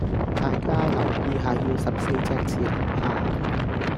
大家留意下要十四隻字樓下